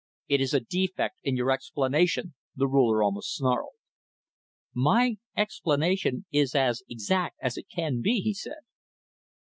"It is a defect in your explanation," the Ruler almost snarled. "My explanation is as exact as it can be," he said.